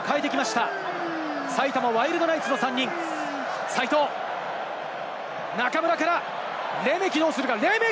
日本は１列目をかえてきました、埼玉ワイルドナイツの３人、齋藤、中村からレメキ、どうするか？